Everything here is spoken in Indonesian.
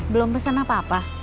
belum pesen apa apa